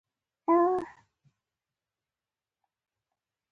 دا کار لار نه نيسي.